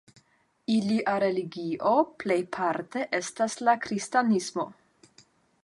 Ilia religio plejparte estas la kristanismo.